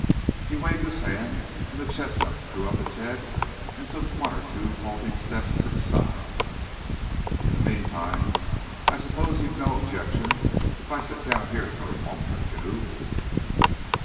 He waved his hand and the chestnut threw up its head and took one or two halting steps to the side. "In the meantime, I suppose you've no objection if I sit down here for a moment or two?"